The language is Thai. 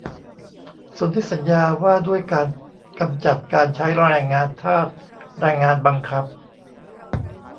สนธิสัญญาว่าด้วยการกำจัดการใช้แรงงานทาส แรงงานบังคับ